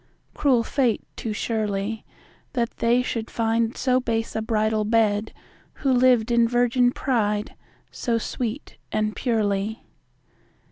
Cruel fate, too surely, That they should find so base a bridal bed, Who lived in virgin pride, so sweet and purely.